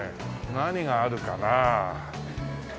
何があるかなあ。